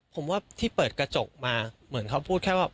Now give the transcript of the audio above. ผมว่าที่เปิดกระจกมาเหมือนเขาพูดแค่ว่า